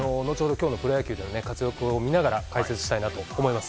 今日のプロ野球でも活躍を見ながら解説したいと思います。